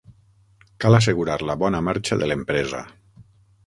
Cal assegurar la bona marxa de l'empresa.